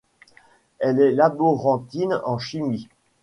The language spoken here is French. Elle est laborantine en chimie.